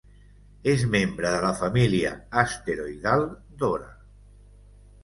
És membre de la família asteroidal Dora.